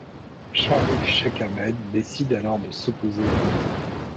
Sharif Sheikh Ahmed décide alors de s'opposer à eux.